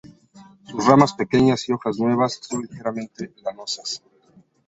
Sus ramas pequeñas y hojas nuevas son ligeramente lanosas.